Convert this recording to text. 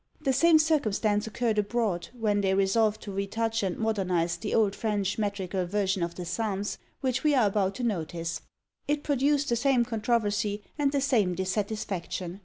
The same circumstance occurred abroad, when they resolved to retouch and modernise the old French metrical version of the Psalms, which we are about to notice. It produced the same controversy and the same dissatisfaction.